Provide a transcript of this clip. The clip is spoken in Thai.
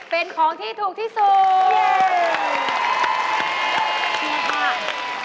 เป็นของที่ถูกที่สุด